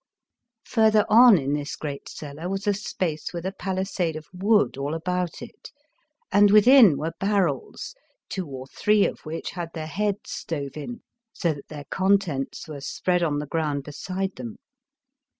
Further on in this great cellar was a space with a palisade of wood all about it, and within were barrels, two or three of which had their heads stove in, so that their contents were spread on the ground beside them.